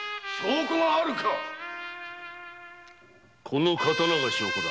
この刀が証拠だ。